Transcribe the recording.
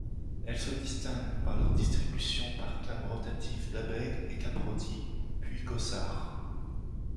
Elles se distinguent par leur distribution par cames rotatives Dabeg et Caprotti puis Cossard.